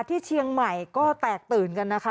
ที่เชียงใหม่ก็แตกตื่นกันนะคะ